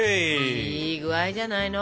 いい具合じゃないの？